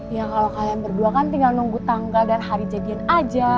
ya kalau kalian berdua kan tinggal nunggu tanggal dan hari jadian aja